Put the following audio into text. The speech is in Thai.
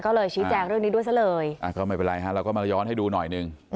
ก็เลยชี้แจงเรื่องนี้ด้วยซะเลยอ่าก็ไม่เป็นไรฮะเราก็มาย้อนให้ดูหน่อยหนึ่ง